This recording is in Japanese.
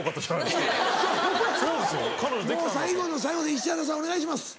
もう最後の最後で石原さんお願いします。